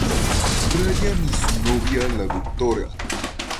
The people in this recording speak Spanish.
Ryan y su novia, la Dra.